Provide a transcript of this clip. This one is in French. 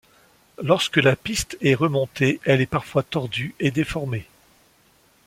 Lorsque la piste est remontée, elle est parfois tordue et déformée.